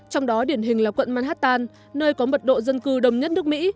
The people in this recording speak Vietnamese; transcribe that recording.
trong đó điển hình là quận manhattan nơi có mật độ dân cư đông nhất nước mỹ